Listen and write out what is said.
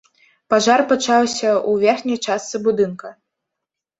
Пажар пачаўся ў верхняй частцы будынка.